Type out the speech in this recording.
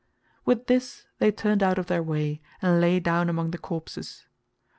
With this they turned out of their way and lay down among the corpses.